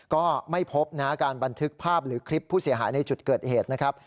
ก็ไม่พบนะการบันทึกภาพหรือคลิปผู้เสียหายในจุดเกิดเหตุนะครับ